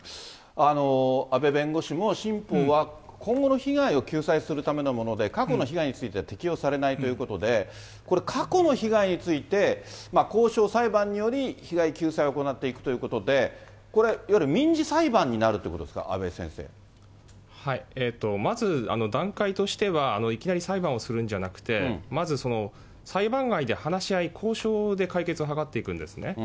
阿部弁護士も、新法は今後の被害を救済するためのもので、過去の被害については適用されないということで、これ過去の被害について、交渉・裁判により、被害救済を行っていくということで、これ、いわゆる民事裁判になるということですか、まず、段階としては、いきなり裁判をするんじゃなくて、まずその、裁判外で話し合い、交渉で解決を図っていくんですね。